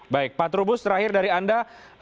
baik pak trubus terakhir dari anda